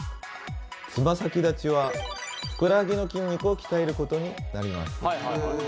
つま先立ちはふくらはぎの筋肉を鍛えることになります。